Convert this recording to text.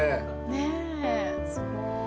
ねっすごい。